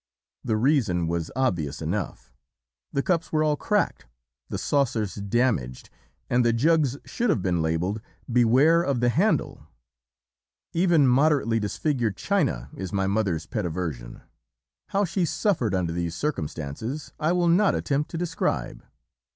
The reason was obvious enough! The cups were all cracked, the saucers damaged, and the jugs should have been labelled 'beware of the handle.' Even moderately disfigured china is my mother's pet aversion. How she suffered under these circumstances I will not attempt to describe.